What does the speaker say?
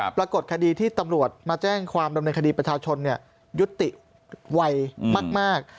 ปรากฏคดีที่ตำรวจมาแจ้งความดำเนินคดีประชาชนยุติไวมาก